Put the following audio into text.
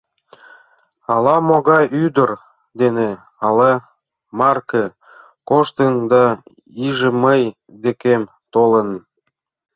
Ала-могай ӱдыр дене але марке коштын да иже мый декем толын.